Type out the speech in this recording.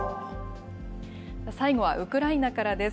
最後はウクライナからです。